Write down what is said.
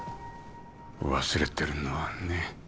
忘れてるのはね